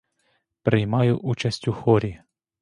Приймаю участь у хорі.